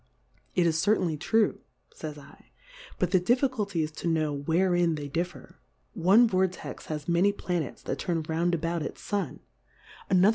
It is certainly true, fays I ; but the Difficulty is to know wherein they dif fer. One Vortex has many Planets that turn round about its Sun ; another Vortex Plurality ^/WORLDS.